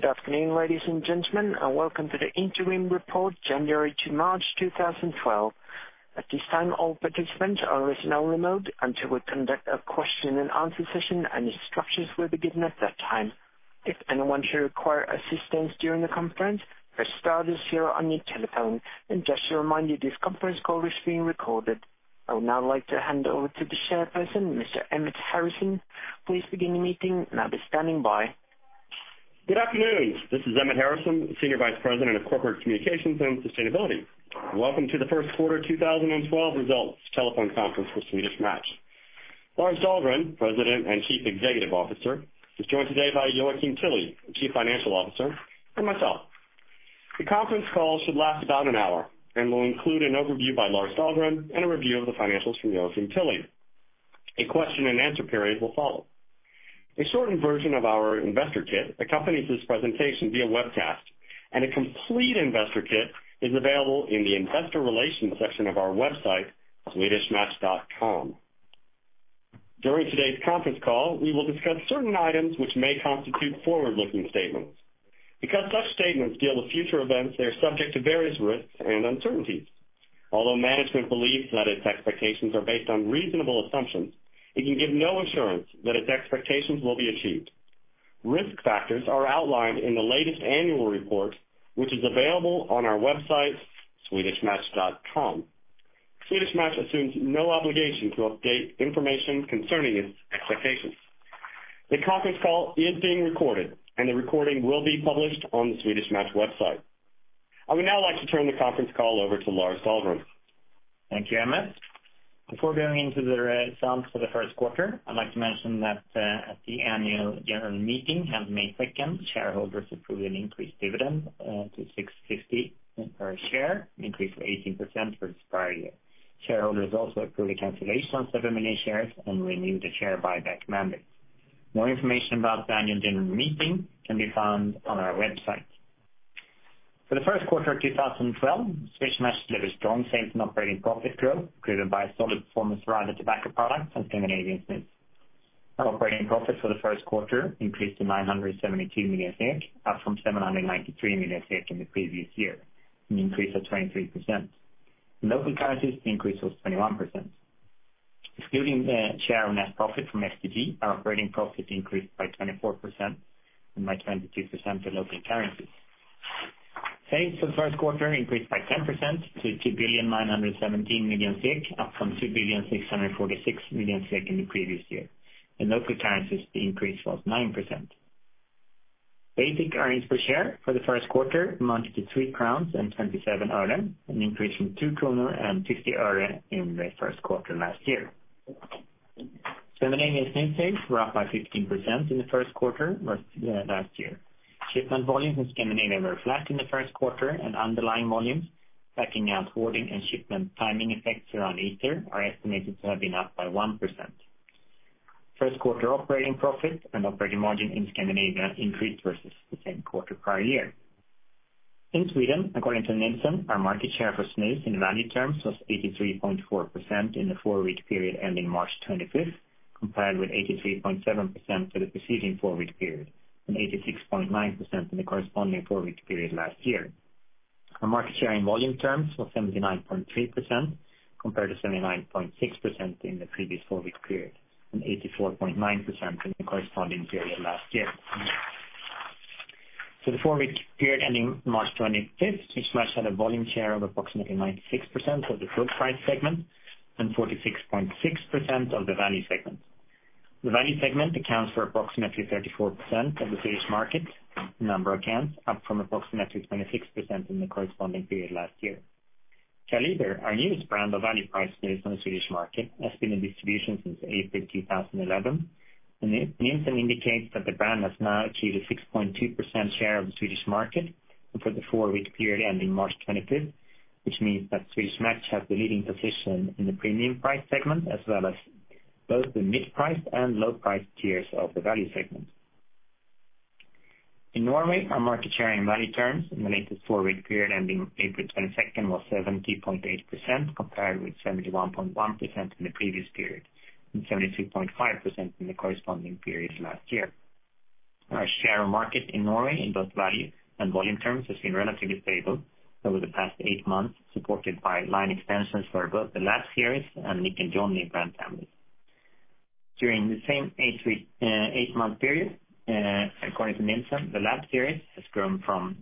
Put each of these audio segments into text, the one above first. Good afternoon, ladies and gentlemen, and welcome to the interim report, January to March 2012. At this time, all participants are listening-only mode until we conduct a question-and-answer session, and instructions will be given at that time. If anyone should require assistance during the conference, press star zero on your telephone. Just to remind you, this conference call is being recorded. I would now like to hand over to the chairperson, Mr. Emmett Harrison. Please begin the meeting, and I'll be standing by. Good afternoon. This is Emmett Harrison, Senior Vice President of Corporate Communications and Sustainability. Welcome to the first quarter 2012 results telephone conference for Swedish Match. Lars Dahlgren, President and Chief Executive Officer, is joined today by Joakim Tilly, Chief Financial Officer, and myself. The conference call should last about an hour, and will include an overview by Lars Dahlgren and a review of the financials from Joakim Tilly. A question-and-answer period will follow. A shortened version of our investor kit accompanies this presentation via webcast, and a complete investor kit is available in the investor relations section of our website, swedishmatch.com. During today's conference call, we will discuss certain items which may constitute forward-looking statements. Such statements deal with future events, they are subject to various risks and uncertainties. Although management believes that its expectations are based on reasonable assumptions, it can give no assurance that its expectations will be achieved. Risk factors are outlined in the latest annual report, which is available on our website, swedishmatch.com. Swedish Match assumes no obligation to update information concerning its expectations. The conference call is being recorded, and the recording will be published on the Swedish Match website. I would now like to turn the conference call over to Lars Dahlgren. Thank you, Emmett. Before going into the results for the first quarter, I'd like to mention that at the annual general meeting on May 2nd, shareholders approved an increased dividend to 6.50 per share, an increase of 18% versus prior year. Shareholders also approved the cancellation of 7 million shares and renewed the share buyback mandate. More information about the annual general meeting can be found on our website. For the first quarter of 2012, Swedish Match delivered strong sales and operating profit growth, driven by a solid performance around the tobacco products and Scandinavian snus. Our operating profit for the first quarter increased to 972 million SEK, up from 793 million SEK in the previous year, an increase of 23%. In local currencies, the increase was 21%. Excluding the share of net profit from STG, our operating profit increased by 24% and by 22% in local currencies. Sales for the first quarter increased by 10% to 2,917 million, up from 2,646 million in the previous year. In local currencies, the increase was 9%. Basic earnings per share for the first quarter amounted to 3.27 crowns, an increase from 2.50 kronor in the first quarter last year. Scandinavian snus sales were up by 15% in the first quarter last year. Shipment volumes in Scandinavia were flat in the first quarter, and underlying volumes, backing out hoarding and shipment timing effects around Easter, are estimated to have been up by 1%. First quarter operating profit and operating margin in Scandinavia increased versus the same quarter prior year. In Sweden, according to Nielsen, our market share for snus in value terms was 83.4% in the four-week period ending March 25th, compared with 83.7% for the preceding four-week period, and 86.9% in the corresponding four-week period last year. Our market share in volume terms was 79.3%, compared to 79.6% in the previous four-week period, and 84.9% in the corresponding period last year. For the four-week period ending March 25th, Swedish Match had a volume share of approximately 96% of the full-price segment and 46.6% of the value segment. The value segment accounts for approximately 34% of the Swedish market in number of cans, up from approximately 26% in the corresponding period last year. Kaliber, our newest brand of value-priced snus on the Swedish market, has been in distribution since April 2011, and Nielsen indicates that the brand has now achieved a 6.2% share of the Swedish market for the four-week period ending March 25th, which means that Swedish Match has the leading position in the premium price segment, as well as both the mid-price and low-price tiers of the value segment. In Norway, our market share in value terms in the latest four-week period ending April 22nd was 70.8%, compared with 71.1% in the previous period and 72.5% in the corresponding period last year. Our share of market in Norway in both value and volume terms has been relatively stable over the past eight months, supported by line extensions for both The Lab Series and Nick & Johnny brand families. During the same eight-month period, according to Nielsen, The Lab Series has grown from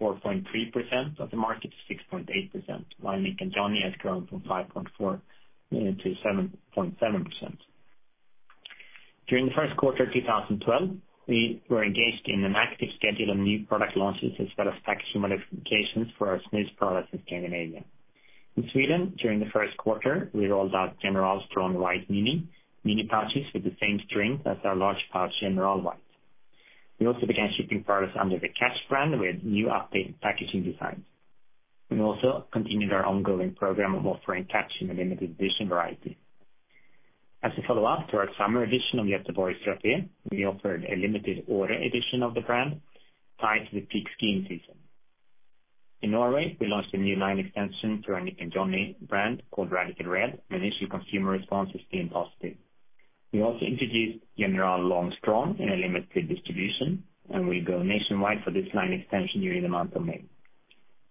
4.3% of the market to 6.8%, while Nick & Johnny has grown from 5.4% to 7.7%. During the first quarter of 2012, we were engaged in an active schedule of new product launches as well as packaging modifications for our snus products in Scandinavia. In Sweden, during the first quarter, we rolled out General Strong White Mini, mini pouches with the same strength as our large pouch General White. We also began shipping products under the Catch brand with new updated packaging designs. We also continued our ongoing program of offering Catch in a limited edition variety. As a follow-up to our summer edition of Göteborgs Rapé, we offered a limited öre edition of the brand tied to the peak skiing season. In Norway, we launched a new line extension to our Nick & Johnny brand called Radical Red, and initial consumer response has been positive. We also introduced General Long Strong in a limited distribution. We go nationwide for this line extension during the month of May.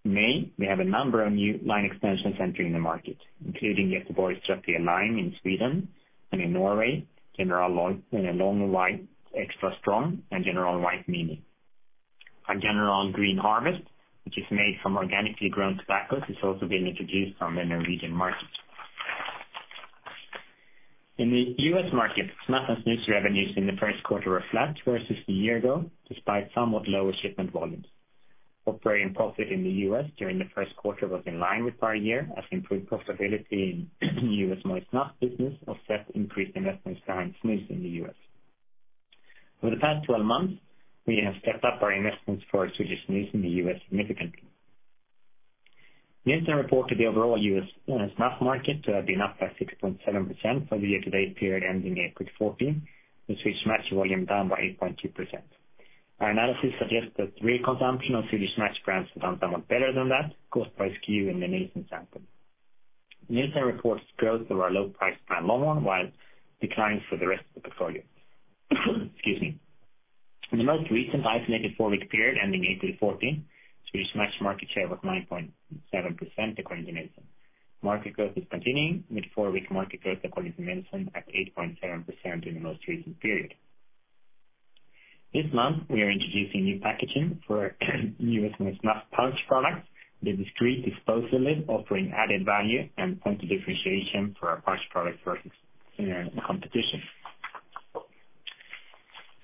In May, we have a number of new line extensions entering the market, including the Ettan line in Sweden; and in Norway, General Long White Extra Strong and General White Mini. Our General Green Harvest, which is made from organically grown tobaccos, is also being introduced on the Norwegian market. In the U.S. market, snus revenues in the first quarter were flat versus a year ago, despite somewhat lower shipment volumes. Operating profit in the U.S. during the first quarter was in line with prior year, as improved profitability in U.S. moist snuff business offset increased investments behind snus in the U.S. Over the past 12 months, we have stepped up our investments for Swedish snus in the U.S. significantly. Nielsen reported the overall U.S. snus market to have been up by 6.7% for the year-to-date period ending April 14, with Swedish Match volume down by 8.2%. Our analysis suggests that real consumption of Swedish Match brands was down somewhat better than that, caused by SKU in the Nielsen sample. Nielsen reports growth of our low-price brand, Longhorn, while declines for the rest of the portfolio. Excuse me. In the most recent isolated four-week period ending April 14, Swedish Match market share was 9.7%, according to Nielsen. Market growth is continuing, with four-week market growth according to Nielsen at 8.7% in the most recent period. This month, we are introducing new packaging for U.S. moist snuff pouch products with a discreet disposal lid, offering added value and point of differentiation for our pouch product versus competition.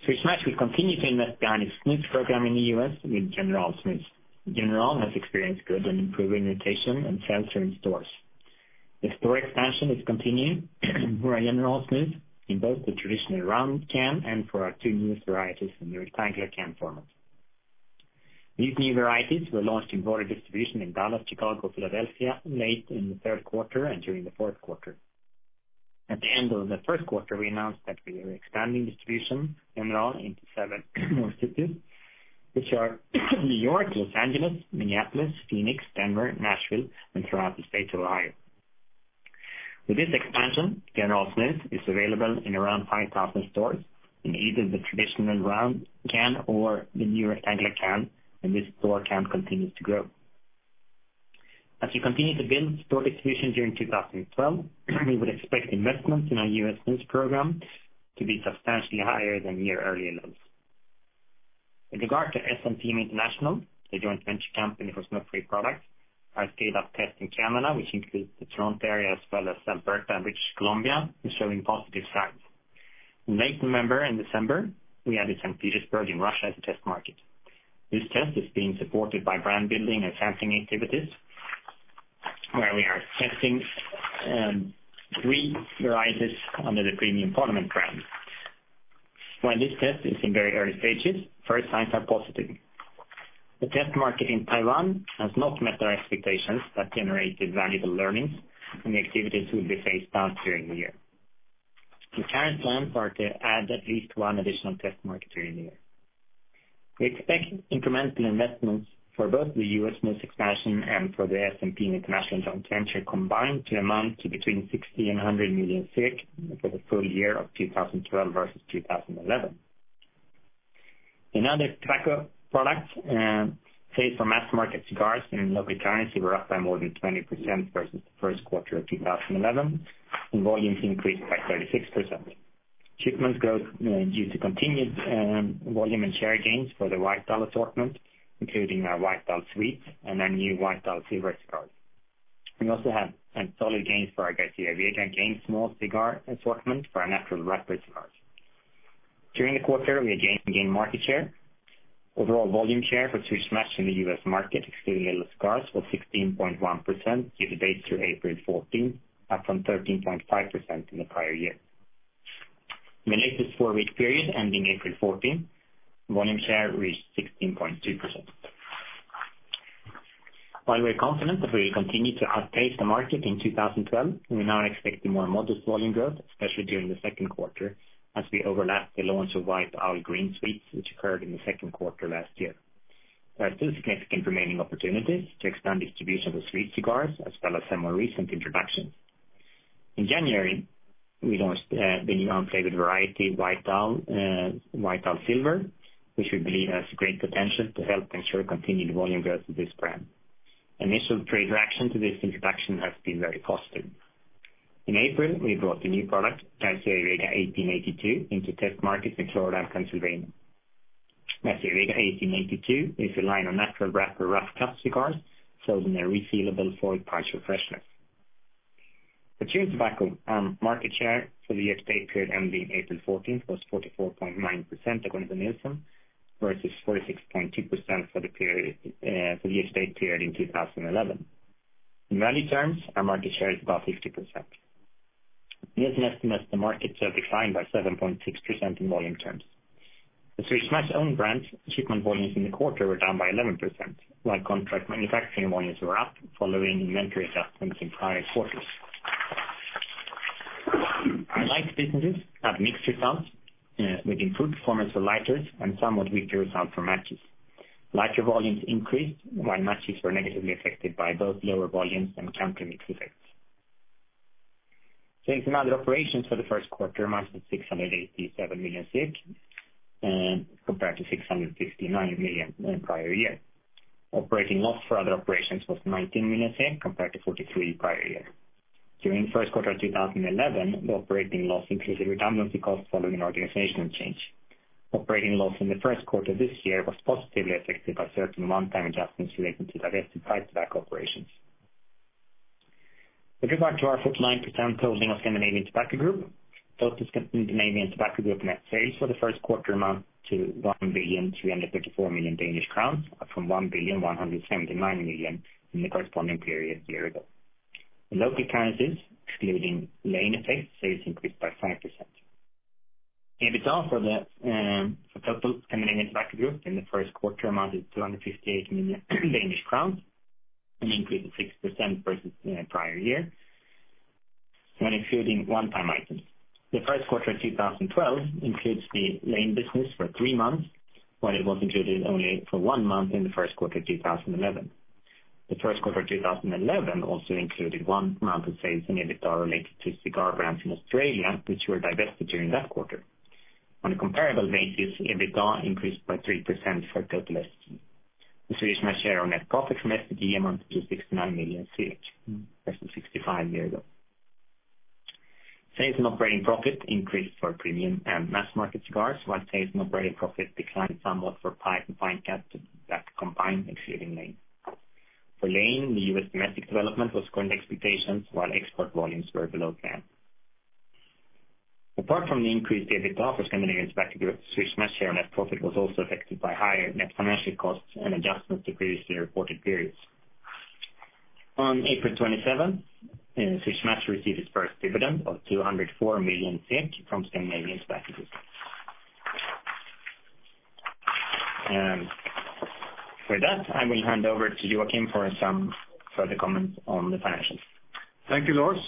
Swedish Match will continue to invest behind its snus program in the U.S. with General Snus. General has experienced good and improving rotation and sales in stores. The store expansion is continuing for our General Snus in both the traditional round can and for our two newest varieties in the rectangular can format. These new varieties were launched in broader distribution in Dallas, Chicago, Philadelphia late in the third quarter and during the fourth quarter. At the end of the first quarter, we announced that we are expanding distribution of General into seven more cities, which are N.Y., L.A., Minneapolis, Phoenix, Denver, Nashville, and throughout the state of Ohio. With this expansion, General Snus is available in around 5,000 stores in either the traditional round can or the new rectangular can, and this store count continues to grow. As we continue to build store distribution during 2012, we would expect investments in our U.S. snus program to be substantially higher than year earlier lows. With regard to SMPM International, the joint venture company for smoke-free products, our scaled-up test in Canada, which includes the Toronto area as well as Alberta and British Columbia, is showing positive signs. In late November and December, we added St. Petersburg in Russia as a test market. This test is being supported by brand building and sampling activities where we are testing three varieties under the premium Parliament brand. While this test is in very early stages, first signs are positive. The test market in Taiwan has not met our expectations but generated valuable learnings, and the activities will be phased out during the year. The current plans are to add at least one additional test market during the year. We expect incremental investments for both the U.S. snus expansion and for the SMPM International joint venture combined to amount to between 60 million and 100 million for the full year of 2012 versus 2011. In other tobacco products, sales for mass market cigars in local currency were up by more than 20% versus the first quarter of 2011, and volumes increased by 36%. Shipments growth due to continued volume and share gains for the White Owl assortment, including our White Owl Sweets and our new White Owl Silver cigars. We also have some solid gains for our Garcia y Vega and Game small cigar assortment for our natural wrapper cigars. During the quarter, we again gained market share. Overall volume share for Swedish Match in the U.S. market, excluding little cigars, was 16.1% year to date through April 14, up from 13.5% in the prior year. In the latest four-week period ending April 14, volume share reached 16.2%. While we are confident that we will continue to outpace the market in 2012, we now are expecting more modest volume growth, especially during the second quarter as we overlap the launch of White Owl Green Sweets, which occurred in the second quarter last year. There are still significant remaining opportunities to expand distribution of the Sweet cigars as well as some more recent introductions. In January, we launched the new flavored variety, White Owl Silver, which we believe has great potential to help ensure continued volume growth of this brand. Initial trade reaction to this introduction has been very positive. In April, we brought the new product, Garcia y Vega 1882, into test market in Florida and Pennsylvania. Garcia y Vega 1882 is a line of natural wrapper, rough-cut cigars sold in a resealable foil pouch for freshness. Mature tobacco market share for the year-to-date period ending April 14 was 44.9% according to Nielsen, versus 46.2% for the year-to-date period in 2011. In value terms, our market share is about 50%. Nielsen estimates the market share declined by 7.6% in volume terms. The Swedish Match own brands shipment volumes in the quarter were down by 11%, while contract manufacturing volumes were up following inventory adjustments in prior quarters. Our lights businesses have mixed results with improved performance for lighters and somewhat weaker results for matches. Lighter volumes increased while matches were negatively affected by both lower volumes and country mix effects. Sales in Other operations for the first quarter amounted to 687 million, compared to 659 million in the prior year. Operating loss for Other operations was 19 million, compared to 43 prior year. During the first quarter of 2011, the operating loss included redundancy costs following organizational change. Operating loss in the first quarter this year was positively affected by certain one-time adjustments related to divested pipe tobacco operations. With regard to our 49% holding of Scandinavian Tobacco Group, total Scandinavian Tobacco Group net sales for the first quarter amounted to 1,334,000,000 Danish crowns, up from 1,179,000,000 in the corresponding period a year ago. In local currencies, excluding Lane effects, sales increased by 5%. EBITA for the total Scandinavian Tobacco Group in the first quarter amounted to 258 million Danish crowns, an increase of 6% versus the prior year when excluding one-time items. The first quarter of 2012 includes the Lane business for three months, while it was included only for one month in the first quarter of 2011. The first quarter of 2011 also included one month of sales and EBITA related to cigar brands in Australia, which were divested during that quarter. On a comparable basis, EBITA increased by 3% for total STG. The Swedish Match share on net profit from STG amounted to 69 million versus 65 million a year ago. Sales and operating profit increased for premium and mass-market cigars, while sales and operating profit declined somewhat for pipe and fine cut tobacco combined, excluding Lane. For Lane, the U.S. domestic development was according to expectations while export volumes were below plan. Apart from the increased EBITA for Scandinavian Tobacco Group, Swedish Match share on net profit was also affected by higher net financial costs and adjustments to previously reported periods. On April 27, Swedish Match received its first dividend of 204 million from Scandinavian Tobacco Group. With that, I will hand over to Joakim for some further comments on the financials. Thank you, Lars.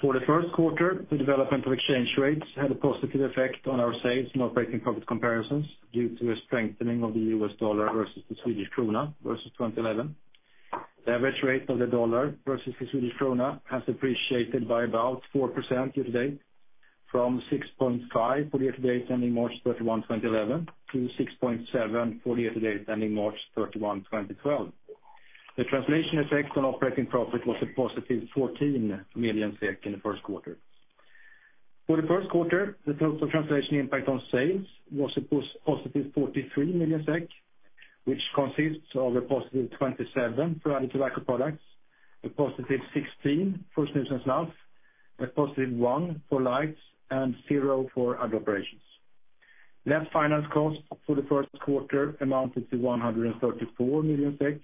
For the first quarter, the development of exchange rates had a positive effect on our sales and operating profit comparisons due to a strengthening of the U.S. dollar versus the Swedish krona versus 2011. The average rate of the dollar versus the Swedish krona has appreciated by about 4% year-to-date, from 6.5 for the year-to-date ending March 31, 2011, to 6.7 for the year-to-date ending March 31, 2012. The translation effect on operating profit was a positive 14 million in the first quarter. For the first quarter, the total translation impact on sales was a positive 43 million SEK, which consists of a positive 27 million for added tobacco products, a positive 16 million for snus and snuff, a positive 1 million for lights, and 0 for other operations. Net finance cost for the first quarter amounted to 134 million SEK,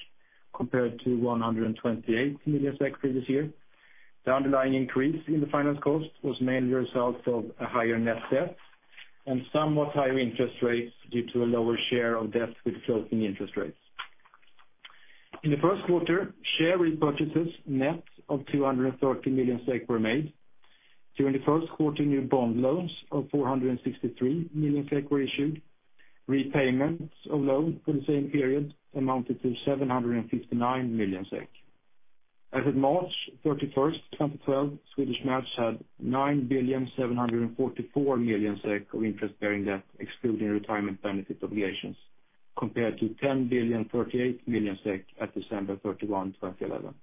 compared to 128 million SEK previous year. The underlying increase in the finance cost was mainly a result of a higher net debt and somewhat higher interest rates due to a lower share of debt with floating interest rates. In the first quarter, share repurchases net of 230 million were made. During the first quarter, new bond loans of 463 million were issued. Repayments of loan for the same period amounted to 759 million. As of March 31, 2012, Swedish Match had 9,744,000,000 of interest-bearing debt excluding retirement benefit obligations, compared to 10,038,000,000 SEK at December 31, 2011.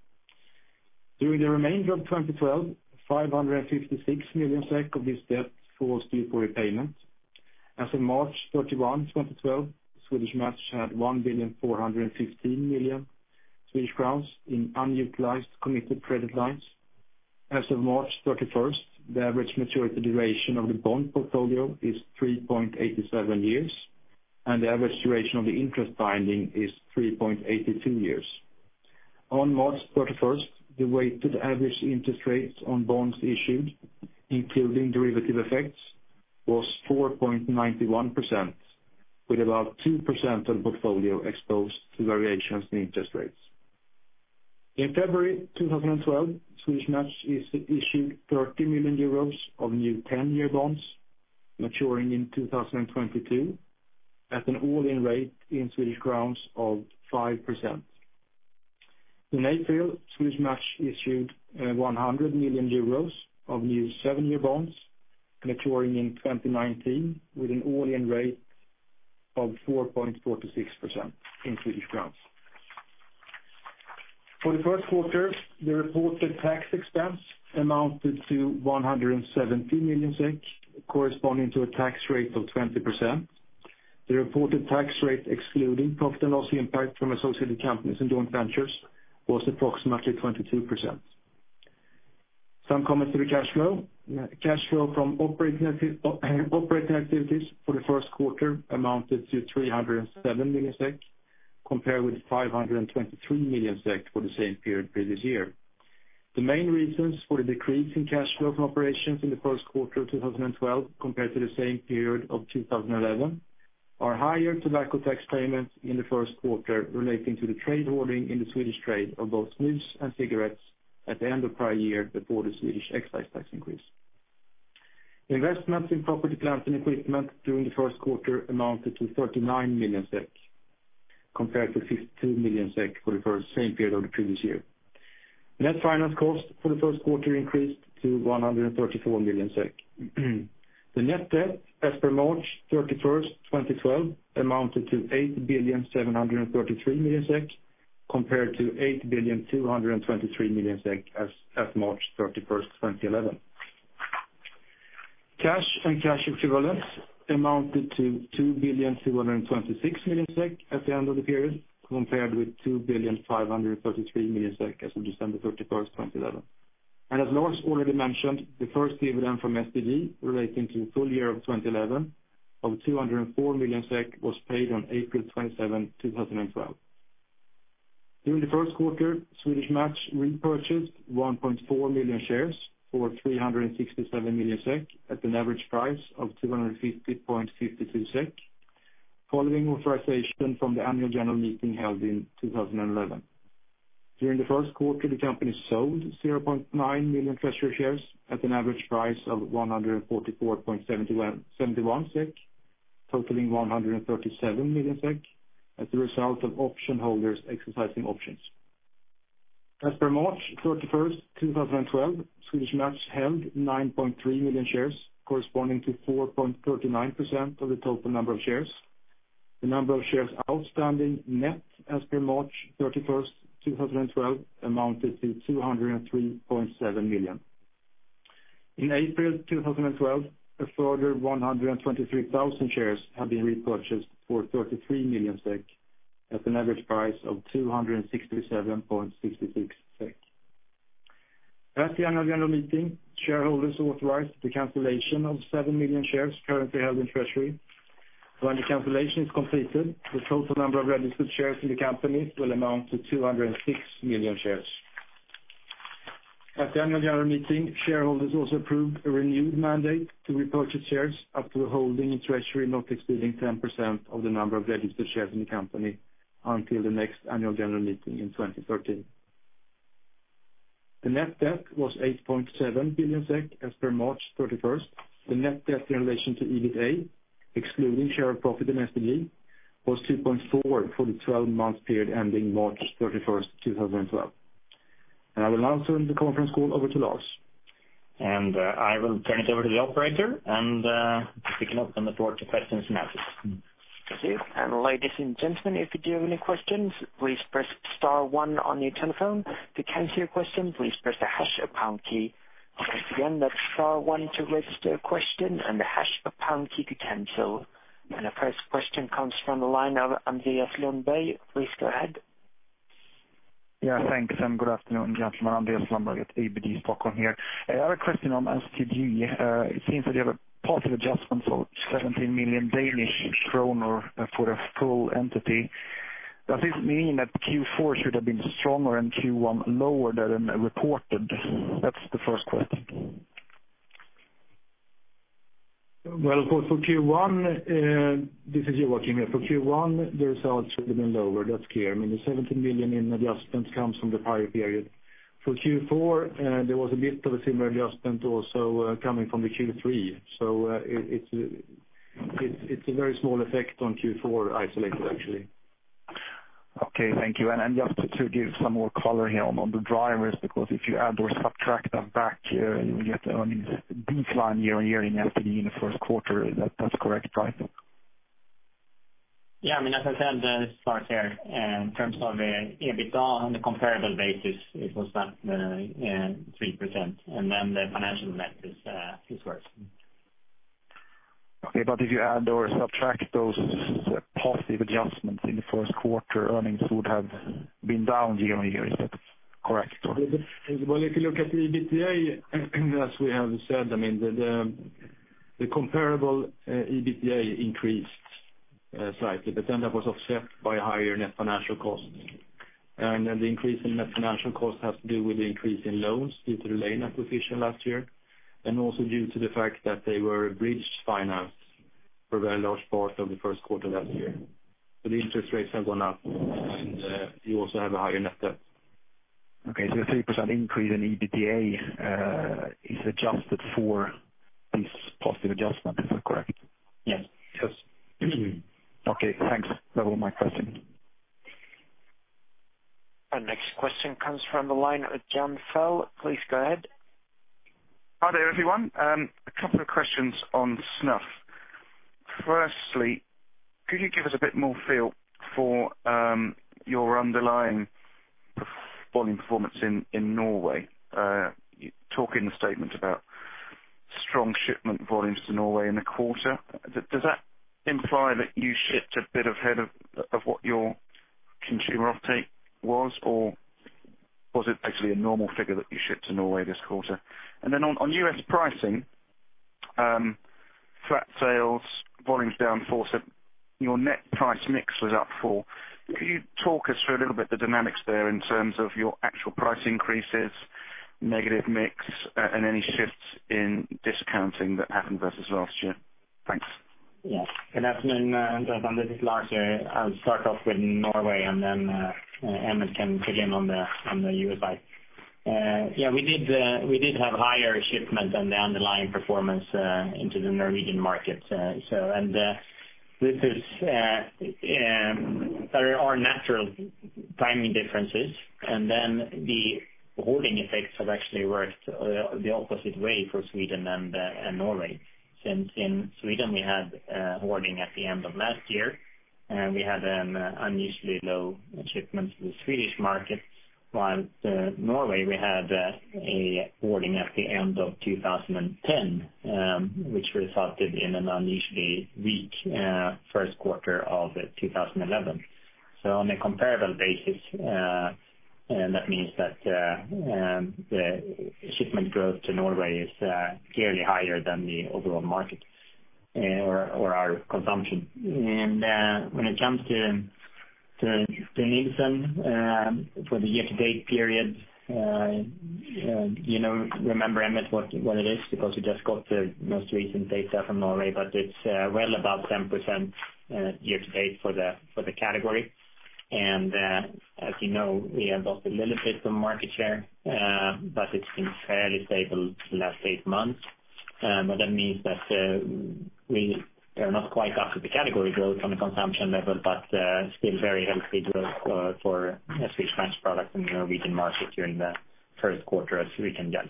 During the remainder of 2012, 556 million SEK of this debt falls due for repayment. As of March 31, 2012, Swedish Match had 1,415,000,000 Swedish crowns in unutilized committed credit lines. As of March 31st, the average maturity duration of the bond portfolio is 3.87 years, and the average duration of the interest binding is 3.82 years. On March 31st, the weighted average interest rates on bonds issued, including derivative effects, was 4.91%, with about 2% of the portfolio exposed to variations in interest rates. In February 2012, Swedish Match issued €30 million of new 10-year bonds maturing in 2022 at an all-in rate in SEK of 5%. In April, Swedish Match issued €100 million of new seven-year bonds maturing in 2019 with an all-in rate of 4.46% in SEK. For the first quarter, the reported tax expense amounted to 117 million SEK, corresponding to a tax rate of 20%. The reported tax rate, excluding profit and loss impact from associated companies and joint ventures, was approximately 22%. Some comments to the cash flow. Cash flow from operating activities for the first quarter amounted to 307 million SEK, compared with 523 million SEK for the same period previous year. The main reasons for the decrease in cash flow from operations in the first quarter of 2012 compared to the same period of 2011 Our higher tobacco tax payments in the first quarter relating to the trade holding in the Swedish trade of both snus and cigarettes at the end of prior year before the Swedish excise tax increase. Investments in property, plant, and equipment during the first quarter amounted to 39 million SEK, compared to 52 million SEK for the same period of the previous year. Net finance cost for the first quarter increased to 134 million SEK. The net debt as per March 31st, 2012, amounted to 8,733,000,000 SEK, compared to 8,223,000,000 SEK as of March 31st, 2011. Cash and cash equivalents amounted to 2,226,000,000 SEK at the end of the period, compared with 2,533,000,000 SEK as of December 31st, 2011. As Lars already mentioned, the first dividend from STG relating to the full year of 2011 of 204 million SEK was paid on April 27, 2012. During the first quarter, Swedish Match repurchased 1.4 million shares for 367 million SEK at an average price of 250.52 SEK, following authorization from the annual general meeting held in 2011. During the first quarter, the company sold 0.9 million treasury shares at an average price of 144.71 SEK, totaling 137 million SEK as a result of option holders exercising options. As per March 31st, 2012, Swedish Match held 9.3 million shares corresponding to 4.39% of the total number of shares. The number of shares outstanding net as per March 31st, 2012, amounted to 203.7 million. In April 2012, a further 123,000 shares have been repurchased for 33 million SEK at an average price of 267.66 SEK. At the annual general meeting, shareholders authorized the cancellation of seven million shares currently held in treasury. When the cancellation is completed, the total number of registered shares in the company will amount to 206 million shares. At the annual general meeting, shareholders also approved a renewed mandate to repurchase shares up to a holding in treasury not exceeding 10% of the number of registered shares in the company until the next annual general meeting in 2013. The net debt was 8.7 billion SEK as per March 31st. The net debt in relation to EBITA, excluding share of profit in STG, was 2.4 for the 12-month period ending March 31st, 2012. I will now turn the conference call over to Lars. I will turn it over to the operator and to kick it off and the floor to questions now. Thank you. Ladies and gentlemen, if you do have any questions, please press star 1 on your telephone. To cancel your question, please press the hash or pound key. Again, that's star 1 to register a question and the hash or pound key to cancel. Our first question comes from the line of Andreas Lundberg. Please go ahead. Thanks and good afternoon, gentlemen. Andreas Lundberg at ABG Stockholm here. I have a question on STG. It seems that you have a positive adjustment of 17 million Danish kroner for the full entity. Does this mean that Q4 should have been stronger and Q1 lower than reported? That's the first question. Well, for Q1, this is Joakim here. For Q1, the results should have been lower. That's clear. I mean, the 17 million in adjustments comes from the prior period. For Q4, there was a bit of a similar adjustment also coming from the Q3. It's a very small effect on Q4 isolated, actually. Okay, thank you. Just to give some more color here on the drivers, because if you add or subtract that back, you will get earnings decline year-over-year in STG in the first quarter. That's correct, right? Yeah, as I said, this is Lars here. In terms of EBITDA on the comparable basis, it was that 3%. The financial net is worse. Okay, if you add or subtract those positive adjustments in the first quarter, earnings would have been down year-over-year. Is that correct? Well, if you look at the EBITA, as we have said, the comparable EBITA increased slightly, that was offset by higher net financial costs. The increase in net financial costs has to do with the increase in loans due to the Lane acquisition last year, and also due to the fact that they were a bridged finance for a very large part of the first quarter last year. The interest rates have gone up, and you also have a higher net debt. Okay, your 3% increase in EBITA is adjusted for this positive adjustment. Is that correct? Yes. Yes. Okay, thanks. That was my question. Our next question comes from the line of Jonathan Fell. Please go ahead. Hi there, everyone. A couple of questions on snuff. Firstly, could you give us a bit more feel for your underlying volume performance in Norway? You talk in the statement about strong shipment volumes to Norway in the quarter. Does that imply that you shipped a bit ahead of what your consumer uptake was, or was it actually a normal figure that you shipped to Norway this quarter? On U.S. pricing, flat sales, volumes down 4%, your net price mix was up 4%. Could you talk us through a little bit the dynamics there in terms of your actual price increases? Negative mix and any shifts in discounting that happened versus last year. Thanks. Yes. Good afternoon, Jonathan. This is Lars. I'll start off with Norway, then Emmett can fill in on the U.S. side. We did have higher shipment than the underlying performance into the Norwegian market. There are natural timing differences, then the hoarding effects have actually worked the opposite way for Sweden and Norway. Since in Sweden we had hoarding at the end of last year, we had an unusually low shipment to the Swedish market. Whilst Norway, we had a hoarding at the end of 2010, which resulted in an unusually weak first quarter of 2011. On a comparable basis, that means that the shipment growth to Norway is clearly higher than the overall market or our consumption. When it jumps to Nielsen for the year-to-date period, remember, Emmett, what it is, because we just got the most recent data from Norway, but it's well above 10% year to date for the category. As you know, we have lost a little bit from market share, but it's been fairly stable the last eight months. That means that we are not quite up with the category growth from a consumption level, but still very healthy growth for Swedish Match products in the Norwegian market during the first quarter as we can judge.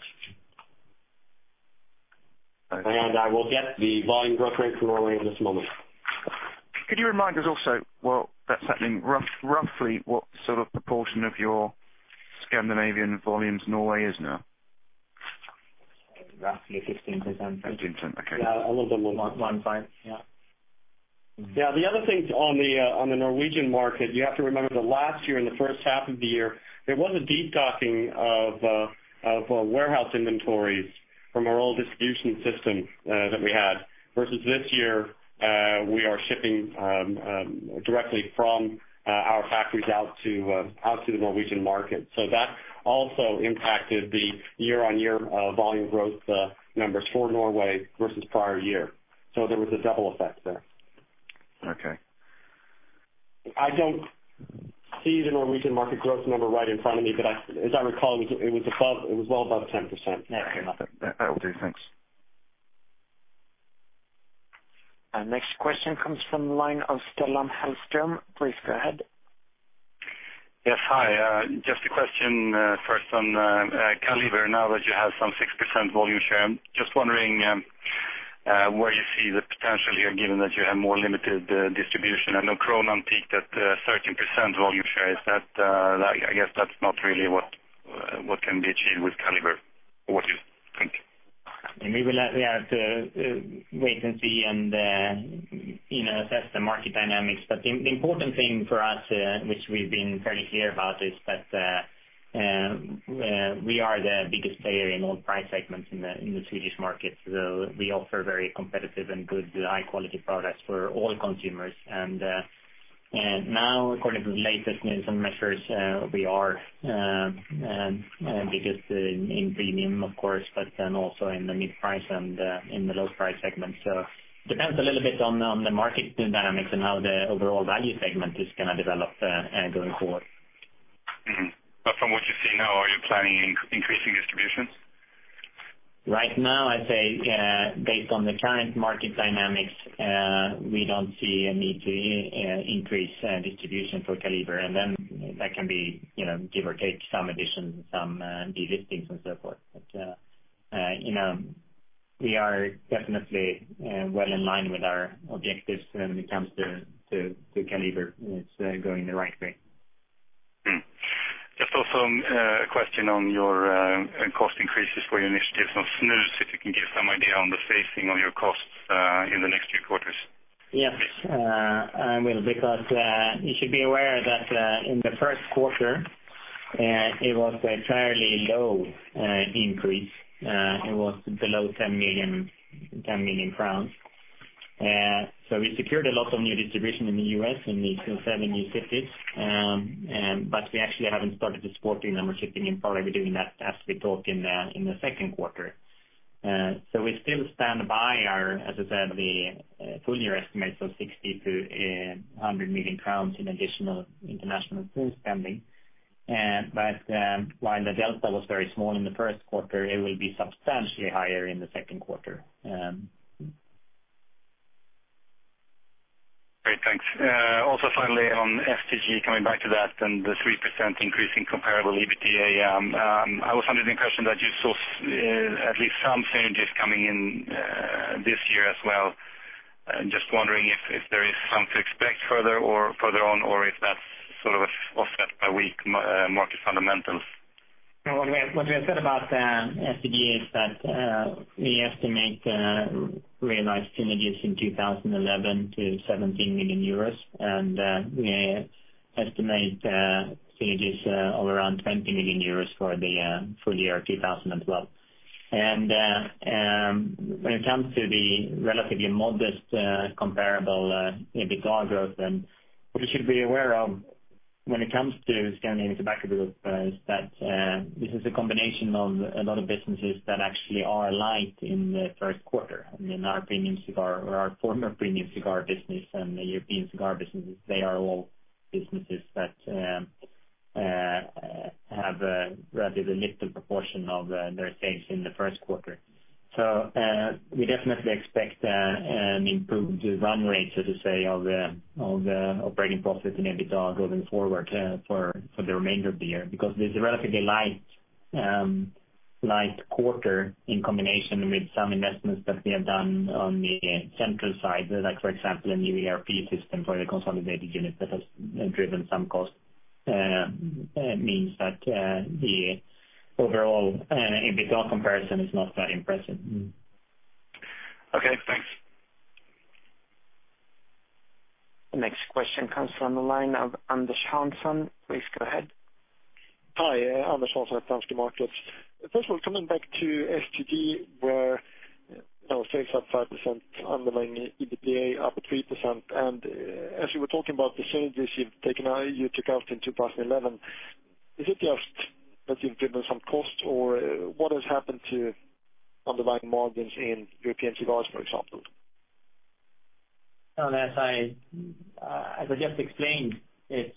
I will get the volume growth rate for Norway in just a moment. Could you remind us also, well, that's happening roughly what sort of proportion of your Scandinavian volumes Norway is now? Roughly 15%. 15%, okay. Yeah, a little bit more. 15? Yeah. Yeah. The other thing on the Norwegian market, you have to remember that last year in the first half of the year, there was a deep docking of warehouse inventories from our old distribution system that we had. Versus this year, we are shipping directly from our factories out to the Norwegian market. That also impacted the year-on-year volume growth numbers for Norway versus prior year. There was a double effect there. Okay. I don't see the Norwegian market growth number right in front of me, but as I recall, it was well above 10%. Yes. That will do. Thanks. Next question comes from the line of Stellan Hellström. Please go ahead. Yes. Hi. Just a question first on Kaliber. Now that you have some 6% volume share, I am just wondering where you see the potential here, given that you have more limited distribution. I know Kronan peaked at 13% volume share. I guess that's not really what can be achieved with Kaliber, or what do you think? We will have to wait and see and assess the market dynamics. The important thing for us, which we've been fairly clear about, is that we are the biggest player in all price segments in the Swedish market. We offer very competitive and good high-quality products for all consumers. Now according to the latest Nielsen measures, we are biggest in premium, of course, also in the mid-price and in the low price segment. Depends a little bit on the market dynamics and how the overall value segment is going to develop going forward. Mm-hmm. From what you see now, are you planning increasing distributions? Right now, I'd say based on the current market dynamics, we don't see a need to increase distribution for Kaliber. That can be give or take some additions, some delistings and so forth. We are definitely well in line with our objectives when it comes to Kaliber. It's going the right way. Just also a question on your cost increases for your initiatives on snus, if you can give some idea on the phasing on your costs in the next few quarters. Yes. I will, because you should be aware that in the first quarter, it was a fairly low increase. It was below 10 million crowns. We secured a lot of new distribution in the U.S. in these seven new cities, but we actually haven't started to support the number shipping and probably be doing that as we talk in the second quarter. We still stand by our, as I said, the full year estimates of 60 million-100 million crowns in additional international snus spending. While the delta was very small in the first quarter, it will be substantially higher in the second quarter. Great, thanks. Also, finally on STG, coming back to that and the 3% increase in comparable EBITDA. I was under the impression that you saw at least some synergies coming in this year as well. Just wondering if there is some to expect further on or if that's sort of offset by weak market fundamentals. What we have said about STG is that we estimate realized synergies in 2011 to 17 million euros, we estimate synergies of around 20 million euros for the full year 2012. When it comes to the relatively modest comparable EBITDA growth, what you should be aware of when it comes to Scandinavian Tobacco Group, it's that this is a combination of a lot of businesses that actually are light in the first quarter. I mean, our premium cigar or our former premium cigar business and the European cigar businesses, they are all businesses that have a relatively little proportion of their sales in the first quarter. We definitely expect an improvement to run rates, so to say, of the operating profit and EBITDA going forward for the remainder of the year, because it's a relatively light quarter in combination with some investments that we have done on the central side. Like, for example, a new ERP system for the consolidated unit that has driven some cost, means that the overall EBITDA comparison is not that impressive. Okay, thanks. The next question comes from the line of Anders Johnson. Please go ahead. Hi, Anders Johnson, Danske Markets. First of all, coming back to STG, where sales up 5%, underlying EBITDA up 3%. As you were talking about the synergies you took out in 2011, is it just that you've driven some costs or what has happened to underlying margins in European cigars, for example? As I just explained, it's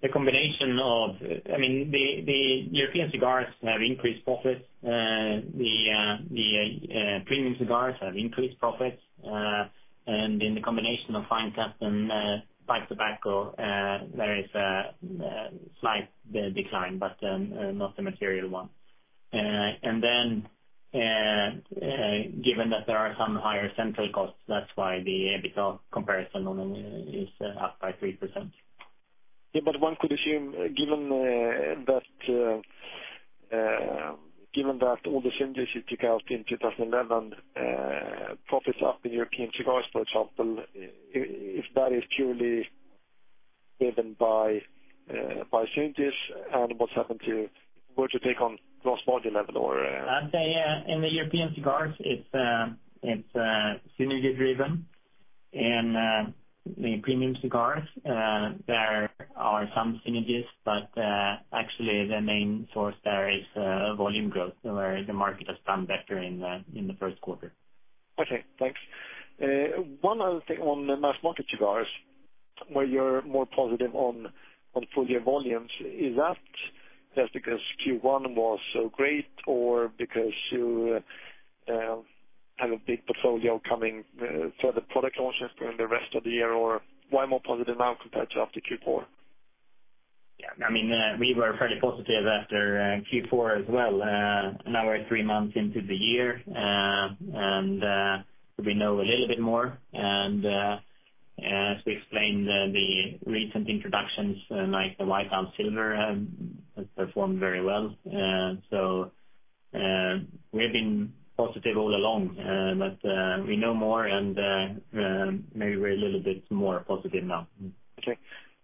the combination of. The European cigars have increased profits. The premium cigars have increased profits. In the combination of fine cuts and pipe tobacco, there is a slight decline, but not a material one. Given that there are some higher central costs, that's why the EBITDA comparison is up by 3%. One could assume, given that all the synergies you took out in 2011, profits up in European cigars, for example, if that is purely driven by synergies and what's happened to, would you take on gross margin level or- I'd say, in the European cigars, it's synergy-driven. In the premium cigars, there are some synergies, but actually the main source there is volume growth, where the market has done better in the first quarter. Okay, thanks. One other thing on the mass market cigars, where you're more positive on full-year volumes. Is that just because Q1 was so great or because you have a big portfolio coming, further product launches during the rest of the year? Why more positive now compared to after Q4? Yeah, we were fairly positive after Q4 as well. Now we're three months into the year, we know a little bit more. As we explained, the recent introductions, like the White Owl Silver, have performed very well. We have been positive all along. We know more, and maybe we're a little bit more positive now. Okay,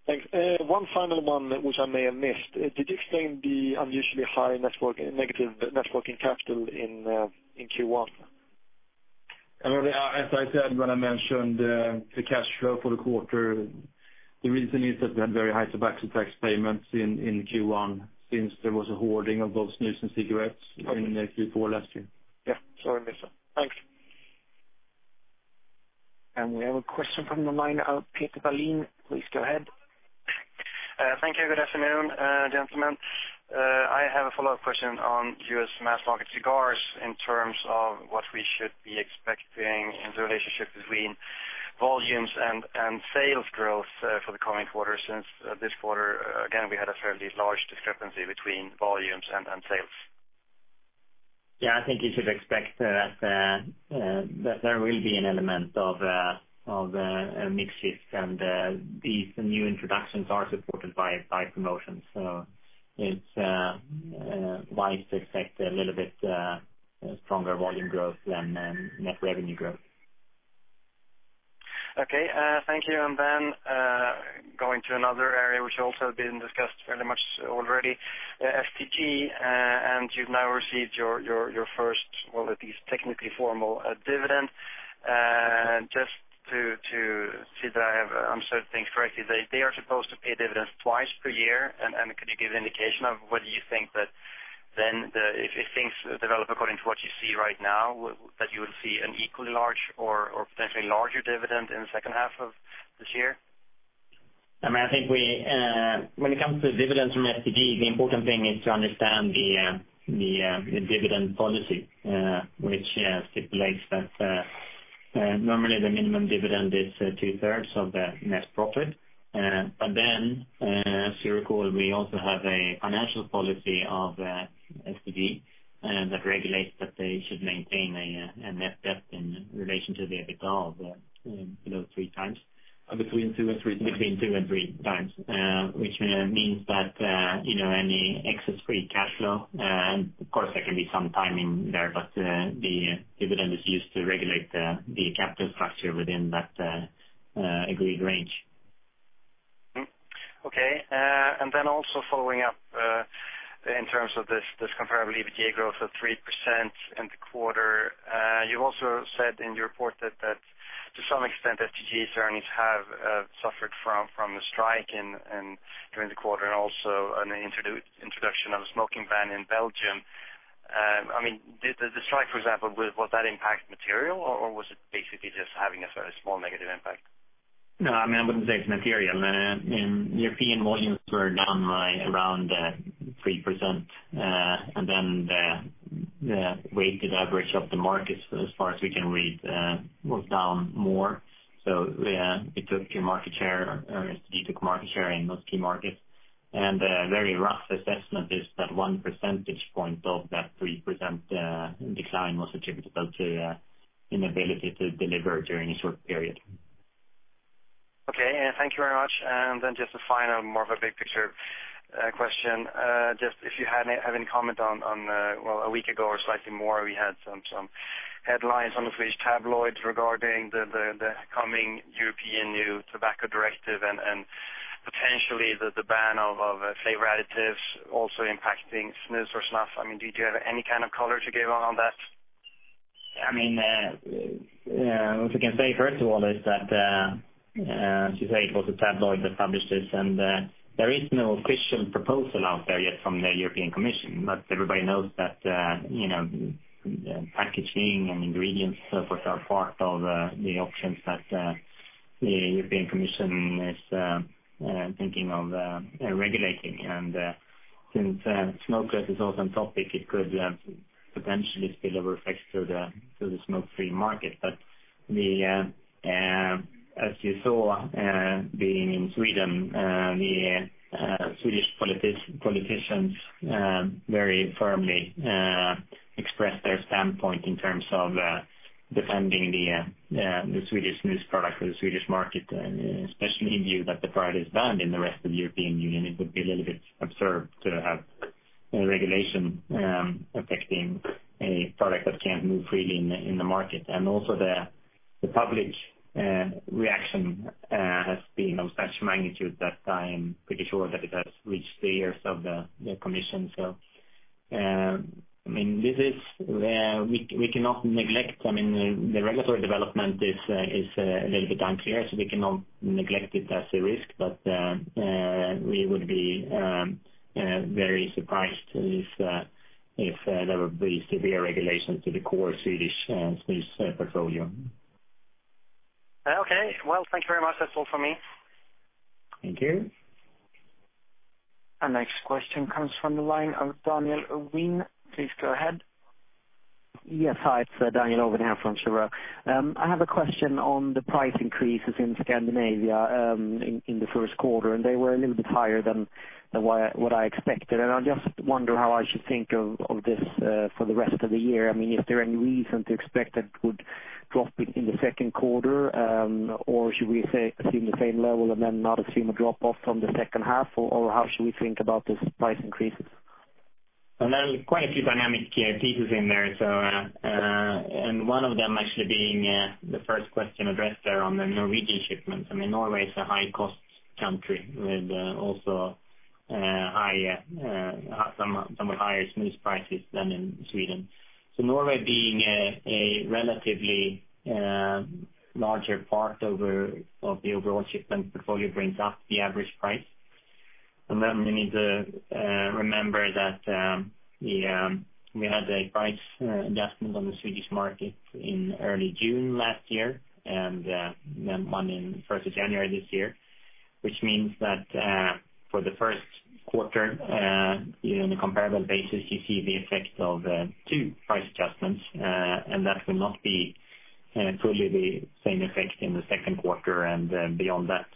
thanks. One final one, which I may have missed. Did you explain the unusually high negative net working capital in Q1? As I said when I mentioned the cash flow for the quarter, the reason is that we had very high tobacco tax payments in Q1, since there was a hoarding of both snus and cigarettes in Q4 last year. Yeah, sorry I missed that. Thanks. We have a question from the line of Peter Dalen. Please go ahead. Thank you. Good afternoon, gentlemen. I have a follow-up question on U.S. mass market cigars in terms of what we should be expecting in the relationship between volumes and sales growth for the coming quarter, since this quarter, again, we had a fairly large discrepancy between volumes and sales. Yeah, I think you should expect that there will be an element of a mix shift and these new introductions are supported by promotions, so it's wise to expect a little bit stronger volume growth than net revenue growth. Okay. Thank you. Going to another area, which also been discussed fairly much already, STG, you've now received your first, well, at least technically formal dividend. Just to see that I have understood things correctly, they are supposed to pay dividends twice per year. Could you give an indication of whether you think that then if things develop according to what you see right now, that you will see an equally large or potentially larger dividend in the second half of this year? When it comes to dividends from STG, the important thing is to understand the dividend policy, which stipulates that normally the minimum dividend is two-thirds of the net profit. As you recall, we also have a financial policy of STG that regulates that they should maintain a net debt in relation to the EBITDA of below three times. Between two and three times. Between two and three times. Which means that any excess free cash flow, of course, there can be some timing there, the dividend is used to regulate the capital structure within that agreed range. Okay. Also following up in terms of this comparable EBITDA growth of 3% in the quarter. You also said in your report that to some extent, FTJ earnings have suffered from the strike during the quarter, and also an introduction of a smoking ban in Belgium. The strike for example, was that impact material, or was it basically just having a fairly small negative impact? No, I wouldn't say it's material. In European volumes we're down right around 3%. The weighted average of the markets as far as we can read, was down more. It took to market share, or STG took market share in those key markets. A very rough assessment is that one percentage point of that 3% decline was attributable to inability to deliver during a short period. Okay. Thank you very much. Just a final more of a big picture question. Just if you have any comment on, well, a week ago or slightly more, we had some headlines on the Swedish tabloids regarding the coming European Tobacco Products Directive and potentially the ban of flavor additives also impacting snus or snuff. Do you have any kind of color to give on that? What we can say first of all is that, as you say, it was a tabloid that published this. There is no official proposal out there yet from the European Commission. Everybody knows that packaging and ingredients, of course, are part of the options that the European Commission is thinking of regulating. Since smokeless is also on topic, it could potentially spill over effects to the smoke-free market. As you saw, being in Sweden, the Swedish politicians very firmly expressed their standpoint in terms of defending the Swedish snus product or the Swedish market, especially in view that the product is banned in the rest of the European Union. It would be a little bit absurd to have a regulation affecting a product that can't move freely in the market. Also the public reaction has been of such magnitude that I am pretty sure that it has reached the ears of the Commission. We cannot neglect, the regulatory development is a little bit unclear, so we cannot neglect it as a risk. We would be very surprised if there would be severe regulations to the core Swedish snus portfolio. Okay. Well, thank you very much. That's all for me. Thank you. Our next question comes from the line of Daniel Owen. Please go ahead. Yes. Hi, it's Daniel Owen here from. I have a question on the price increases in Scandinavia in the first quarter. They were a little bit higher than what I expected. I just wonder how I should think of this for the rest of the year. Is there any reason to expect that it would drop in the second quarter? Should we assume the same level and then not assume a drop off from the second half? How should we think about this price increases? Quite a few dynamic key pieces in there. One of them actually being the first question addressed there on the Norwegian shipments. Norway is a high-cost country with somewhat higher snus prices than in Sweden. Norway being a relatively larger part of the overall shipment portfolio brings up the average price. We need to remember that we had a price adjustment on the Swedish market in early June last year, and then one in 1st of January this year. That means that for the first quarter, in a comparable basis, you see the effect of two price adjustments. That will not be fully the same effect in the second quarter, and beyond that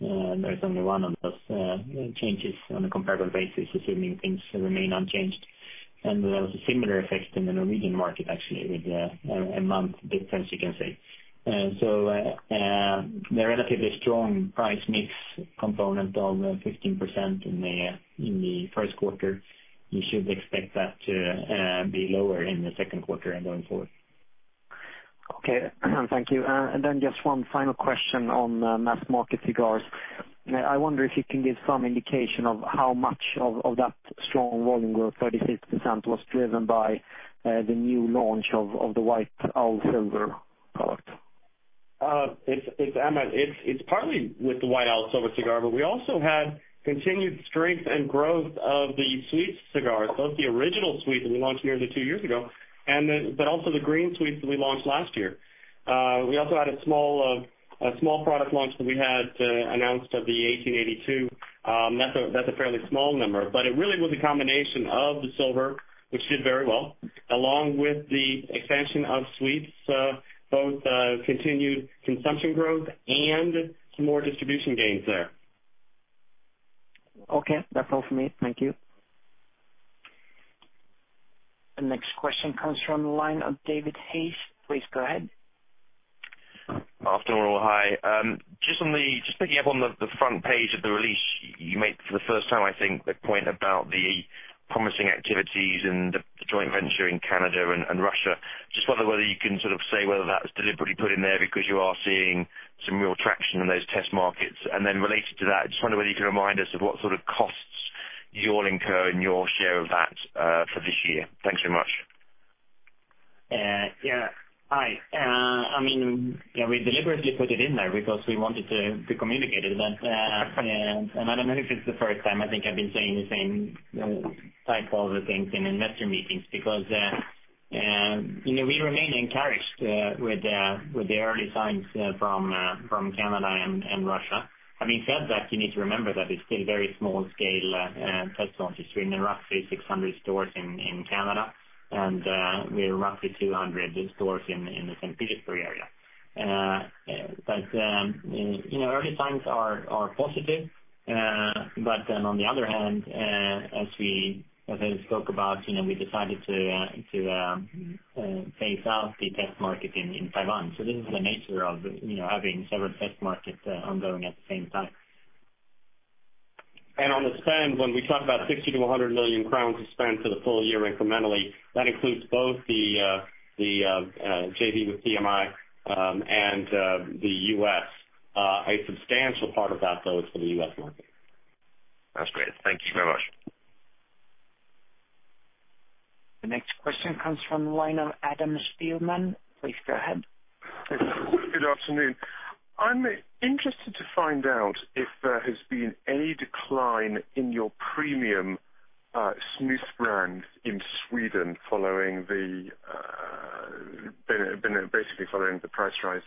there's only one of those changes on a comparable basis, assuming things remain unchanged. There was a similar effect in the Norwegian market actually, with a month difference you can say. The relatively strong price mix component of 15% in the first quarter, you should expect that to be lower in the second quarter and going forward. Okay, thank you. Just one final question on the mass market cigars. I wonder if you can give some indication of how much of that strong volume growth, 36%, was driven by the new launch of the White Owl Silver product. It's Emmett. It's partly with the White Owl Silver cigar, but we also had continued strength and growth of the Sweets cigars, both the original Sweets that we launched nearly two years ago, but also the Green Sweets that we launched last year. We also had a small product launch that we had announced of the 1882. That's a fairly small number, but it really was a combination of the Silver, which did very well, along with the expansion of Sweets, both continued consumption growth and some more distribution gains there. Okay. That's all for me. Thank you. The next question comes from the line of David Hayes. Please go ahead. Afternoon all. Hi. Just picking up on the front page of the release, you make for the first time, I think, the point about the promising activities and the joint venture in Canada and Russia. Just wonder whether you can sort of say whether that was deliberately put in there because you are seeing some real traction in those test markets. Related to that, just wonder whether you can remind us of what sort of costs you all incur in your share of that for this year. Thanks very much. Yeah. Hi. We deliberately put it in there because we wanted to communicate it. I don't know if it's the first time, I think I've been saying the same type of things in investor meetings because we remain encouraged with the early signs from Canada and Russia. Having said that, you need to remember that it's still very small scale test launches. I mean, roughly 600 stores in Canada and roughly 200 stores in the St. Petersburg area. Early signs are positive. On the other hand, as I spoke about, we decided to phase out the test market in Taiwan. This is the nature of having several test markets ongoing at the same time. On the spend, when we talk about 60 million-100 million crowns to spend for the full year incrementally, that includes both the JV with PMI and the U.S. A substantial part of that, though, is for the U.S. market. That's great. Thank you very much. The next question comes from the line of Adam Spielman. Please go ahead. Good afternoon. I'm interested to find out if there has been any decline in your premium snus brand in Sweden following the, basically following the price rise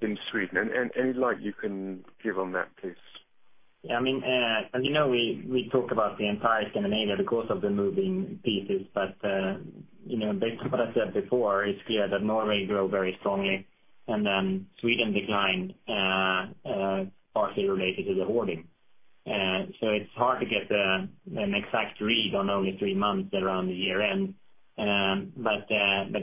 in Sweden. Any light you can give on that, please? You know we talk about the entire Scandinavia because of the moving pieces. Based on what I said before, it's clear that Norway grow very strongly. Sweden declined, partly related to the hoarding. It's hard to get an exact read on only three months around the year-end.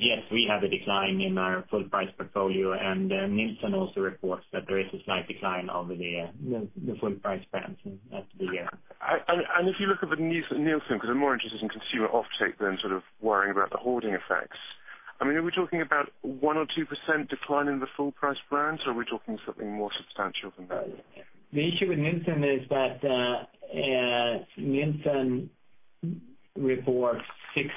Yes, we have a decline in our full price portfolio. Nielsen also reports that there is a slight decline over the full price brands. If you look at the Nielsen, because I'm more interested in consumer offtake than sort of worrying about the hoarding effects. Are we talking about 1% or 2% decline in the full price brands, or are we talking something more substantial than that? The issue with Nielsen is that Nielsen reports 6%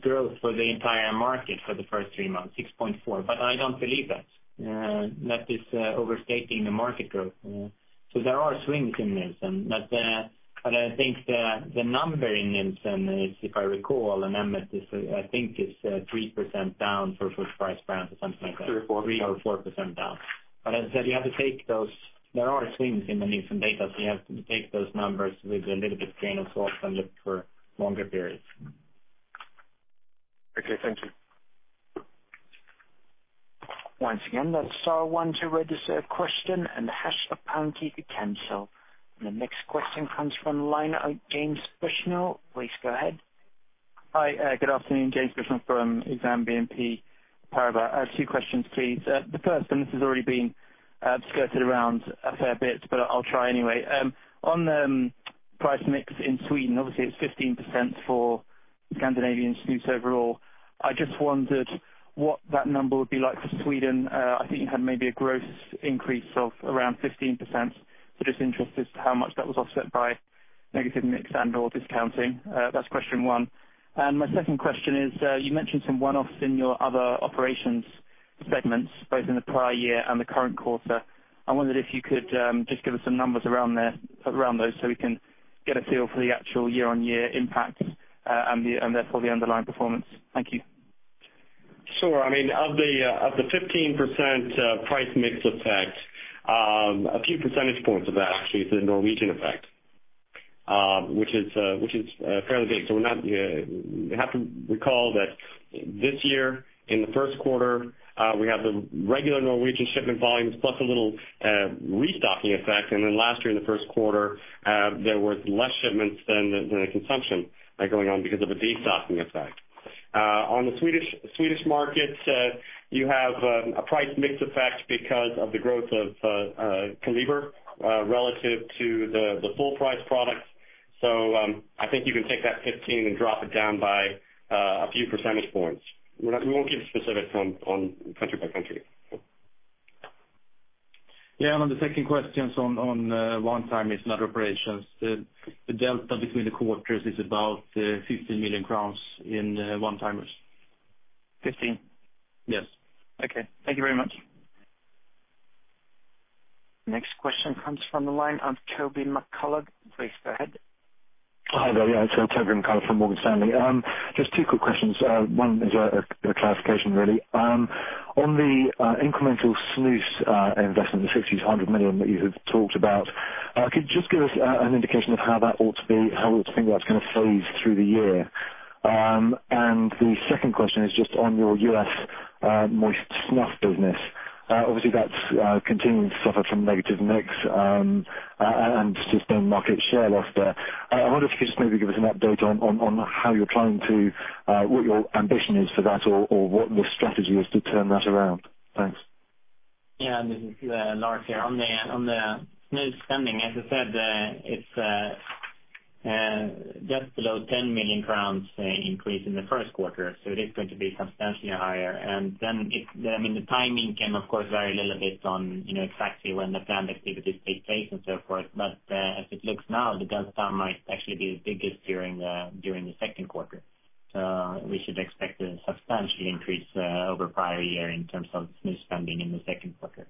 growth for the entire market for the first three months, 6.4%. I don't believe that. That is overstating the market growth. There are swings in Nielsen. I think the number in Nielsen is, if I recall, and Emmett, I think it's 3% down for full price brands or something like that. Three or four. Three or four% down. As I said, there are swings in the Nielsen data. You have to take those numbers with a little bit grain of salt and look for longer periods. Okay. Thank you. Once again, that's star one to register a question and hash or pound key to cancel. The next question comes from the line of James Bushnell. Please go ahead. Hi, good afternoon. James Bushnell from Exane BNP Paribas. Two questions, please. The first, this has already been skirted around a fair bit, I'll try anyway. On the price mix in Sweden, obviously it's 15% for Scandinavian snus overall. I just wondered what that number would be like for Sweden. I think you had maybe a gross increase of around 15%. Just interested as to how much that was offset by negative mix and/or discounting. That's question one. My second question is, you mentioned some one-offs in your other operations segments, both in the prior year and the current quarter. I wondered if you could just give us some numbers around those so we can get a feel for the actual year-on-year impact and therefore the underlying performance. Thank you. Sure. Of the 15% price mix effect, a few percentage points of that actually is a Norwegian effect, which is fairly big. You have to recall that this year in the first quarter, we have the regular Norwegian shipment volumes plus a little restocking effect. Then last year in the first quarter, there was less shipments than the consumption going on because of a destocking effect. On the Swedish market, you have a price mix effect because of the growth of Kaliber relative to the full price products. I think you can take that 15 and drop it down by a few percentage points. We won't give specifics on country by country. Yeah, on the second question on one time is not operations. The delta between the quarters is about 15 million crowns in one timers. 15? Yes. Okay. Thank you very much. Next question comes from the line of Toby McCullough. Please go ahead. Hi there. Yeah, it's Toby McCullough from Morgan Stanley. Just two quick questions. One is a clarification, really. On the incremental snus investment, the 60 million-100 million that you have talked about, could you just give us an indication of how we should think about kind of phase through the year? The second question is just on your U.S. moist snuff business. Obviously, that's continuing to suffer from negative mix and just general market share loss there. I wonder if you could just maybe give us an update on how you're planning to, what your ambition is for that or what your strategy is to turn that around. Thanks. Yeah, this is Lars here. On the snus spending, as I said, it's just below 10 million crowns increase in the first quarter, it is going to be substantially higher. The timing can of course vary a little bit on exactly when the planned activities take place and so forth. As it looks now, the delta might actually be the biggest during the second quarter. We should expect a substantial increase over prior year in terms of snus spending in the second quarter.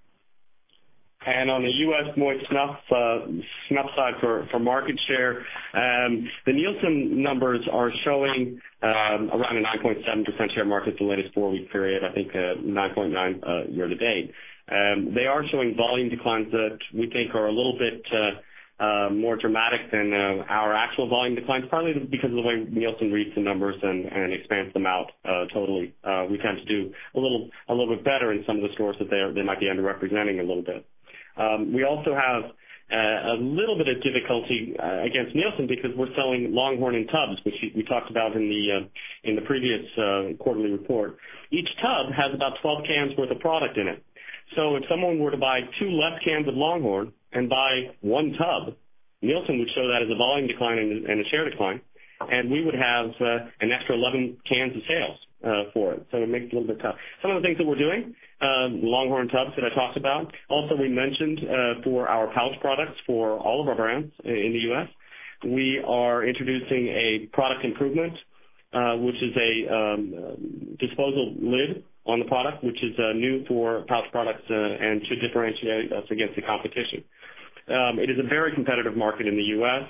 On the U.S. moist snuff side for market share, the Nielsen numbers are showing around a 9.7% difference share market the latest four-week period, I think, 9.9% year to date. They are showing volume declines that we think are a little bit more dramatic than our actual volume declines, partly because of the way Nielsen reads the numbers and expands them out totally. We tend to do a little bit better in some of the stores that they might be underrepresenting a little bit. We also have a little bit of difficulty against Nielsen because we're selling Longhorn in tubs, which we talked about in the previous quarterly report. Each tub has about 12 cans worth of product in it. If someone were to buy two less cans of Longhorn and buy one tub, Nielsen would show that as a volume decline and a share decline, and we would have an extra 11 cans of sales for it. It makes it a little bit tough. Some of the things that we are doing, Longhorn tubs that I talked about. Also, we mentioned for our pouch products for all of our brands in the U.S., we are introducing a product improvement, which is a disposal lid on the product, which is new for pouch products and should differentiate us against the competition. It is a very competitive market in the U.S.,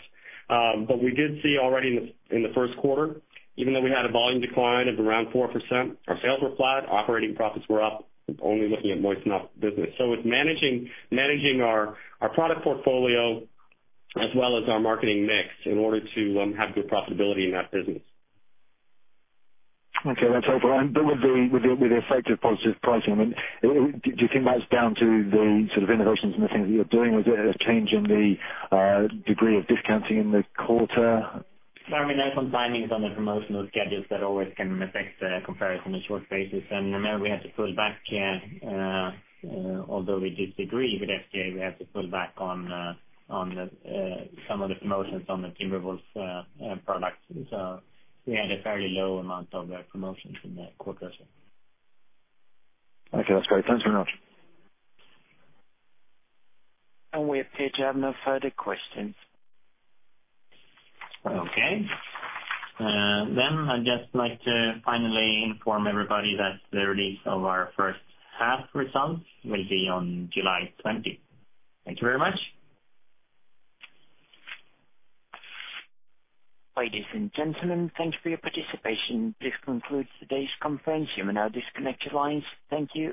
but we did see already in the first quarter, even though we had a volume decline of around 4%, our sales were flat, operating profits were up, only looking at moist snuff business. It's managing our product portfolio as well as our marketing mix in order to have good profitability in that business. Okay, that's helpful. With the effect of positive pricing, do you think that's down to the sort of innovations and the things that you are doing? Was it a change in the degree of discounting in the quarter? There can be some timings on the promotional schedules that always can affect the comparison in short phases. Remember, we had to pull back, although we disagreed with FDA, we had to pull back on some of the promotions on the Timber Wolf products. We had a fairly low amount of promotions in that quarter. Okay, that's great. Thanks very much. We appear to have no further questions. Okay. I'd just like to finally inform everybody that the release of our first half results will be on July 20th. Thank you very much. Ladies and gentlemen, thank you for your participation. This concludes today's conference. You may now disconnect your lines. Thank you.